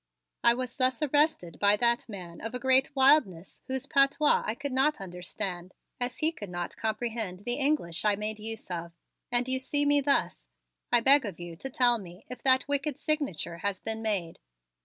I was thus arrested by that man of great wildness, whose patois I could not understand as he could not comprehend the English I make use of, and you see me thus. I beg of you to tell me if that wicked signature has been made."